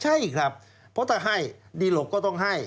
ใช่ครับเพราะถ้าให้ดีหลบก็ต้องให้